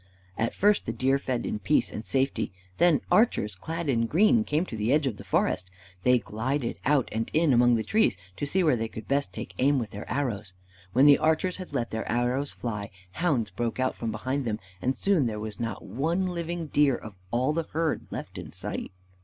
At first the deer fed in peace and safety. Then archers, clad in green, came to the edge of the forest. They glided out and in among the trees to see where they could best take aim with their arrows. When the archers had let their arrows fly, hounds broke out from behind them, and soon there was not one living deer of all the herd left in sight.